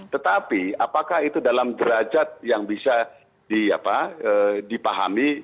tetapi apakah itu dalam derajat yang bisa dipahami